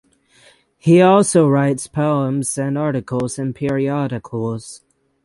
He also writes poems and articles in periodicals.